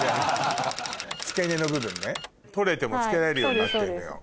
付け根の部分ね取れても付けられるようになってるのよ。